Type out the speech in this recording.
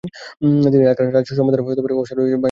তিনি আরাকান রাজ সাদ উমাদার এর অশ্বারোহী সেনাবাহিনীতে ভর্তি হন।